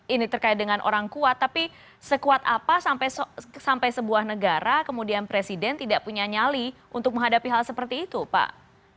ini terkait dengan orang kuat tapi sekuat apa sampai sebuah negara kemudian presiden tidak punya nyali untuk menghadapi hal seperti itu pak